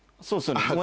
そうですよね。